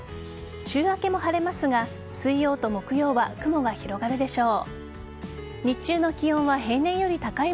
週明けも晴れますが水曜と木曜は雲が広がるでしょう。